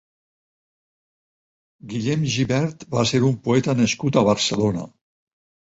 Guillem Gibert va ser un poeta nascut a Barcelona.